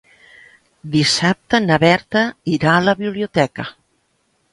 Dissabte na Berta irà a la biblioteca.